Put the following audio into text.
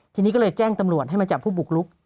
ทีนี้ก็เลยแจ้งตำรวจให้มาจับผู้บุกลุก